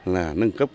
là nâng cấp